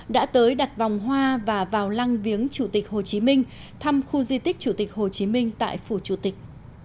đã tới đặt vòng hoa và vào lăng viếng chủ tịch hồ chí minh thăm khu di tích chủ tịch hồ chí minh tại phủ chủ tịch